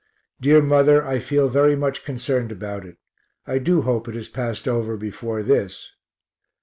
Dear Mother, I feel very much concerned about it; I do hope it has passed over before this.